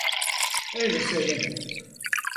Öyle söylemedim.